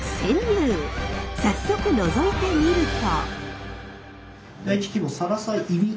早速のぞいてみると。